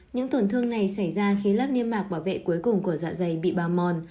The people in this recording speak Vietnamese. những tổn thương này xảy ra khi lớp niêm mạc bảo vệ cuối cùng của dạ dày bị bao mòn